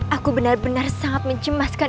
aku benar benar sangat mencemaskan